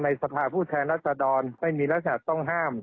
ในสภาพผู้ชายรัฐธรรมไม่มีรัฐธรรมต้องห้าม